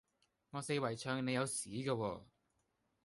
我四圍唱你有屎架喎